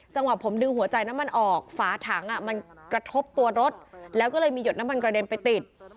จังหวะผมดึงหัวใจน้ำมันออกฝาถังมันกระทบตัวรถแล้วก็เลยมีหยดน้ำมันกระเด็นไปติด